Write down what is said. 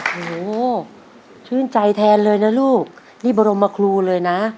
โหชื่นใจแทนเลยนะลูกนี่บรมครูเลยนะ